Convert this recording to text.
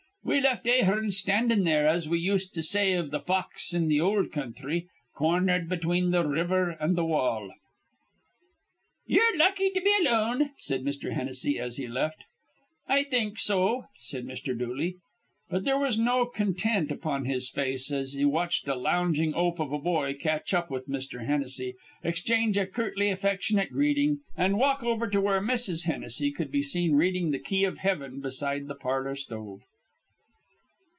We left Ahearn standin' there, as we used to say iv th' fox in th' ol' counthry, cornered between th' river an' th' wall." "Ye're lucky to be alone," said Mr. Hennessy as he left. "I think so," said Mr. Dooley. But there was no content upon his face as he watched a lounging oaf of a boy catch up with Mr. Hennessy, exchange a curtly affectionate greeting, and walk over to where Mrs. Hennessy could be seen reading the "Key of Heaven" beside the parlor stove.